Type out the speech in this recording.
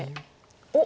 おっ！